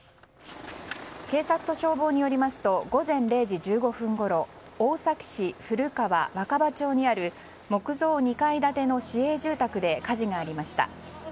警察と消防によりますと午前０時１５分ごろ大崎市古川若葉町にある木造２階建ての市営住宅で火事がありました。